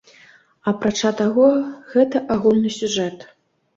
Апрача таго, гэта агульны сюжэт.